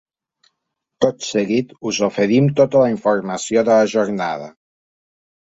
Tot seguit us oferim tota la informació de la jornada.